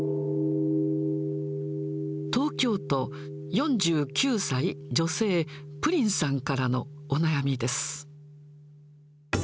東京都、４９歳女性、プリンさんからのお悩みです。